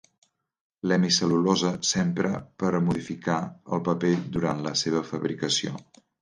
L'hemicel·lulosa s'empra per a modificar el paper durant la seva fabricació.